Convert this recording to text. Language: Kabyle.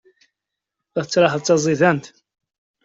La tettraḥeḍ d taẓidant.